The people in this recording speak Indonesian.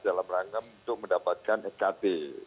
dalam rangka untuk mendapatkan skt